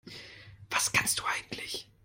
Was kannst du eigentlich?